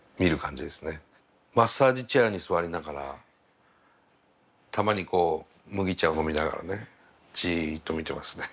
マッサージチェアに座りながらたまにこう麦茶を飲みながらねじっと見てますね。